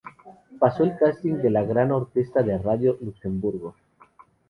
Pasó el casting de la Gran Orquesta de Radio-Luxembourg.